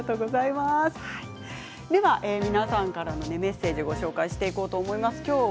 皆さんからのメッセージご紹介していこうと思います。